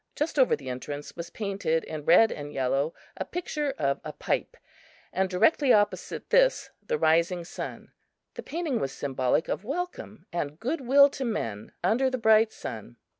Just over the entrance was painted in red and yellow a picture of a pipe, and directly opposite this the rising sun. The painting was symbolic of welcome and good will to men under the bright sun.